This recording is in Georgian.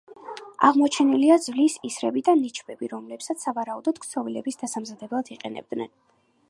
აღმოჩენილია ძვლის ისრები და ნიჩბები, რომლებსაც სავარაუდოდ ქსოვილების დასამზადებლად იყენებდნენ.